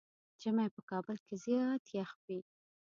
ژمی په کابل کې زيات يخ وي.